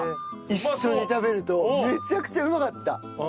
一緒に食べるとめちゃくちゃうまかった。